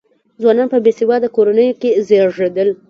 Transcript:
ځوانان په بې سواده کورنیو کې زېږېدل.